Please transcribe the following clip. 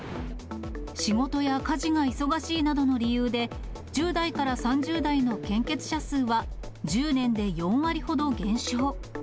仕事や家事が忙しいなどの理由で、１０代から３０代の献血者数は１０年で４割ほど減少。